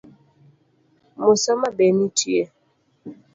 Musoma be nitie?